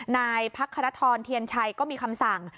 นายภักษ์ธรรรทรที่ยันชายก็มีคำสั่ง